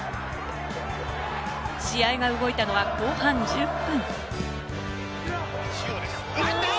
試合が動いたのは後半１０分。